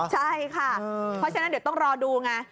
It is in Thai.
ใช่ค่ะเพราะฉะนั้นเดี๋ยวต้องรอดูไง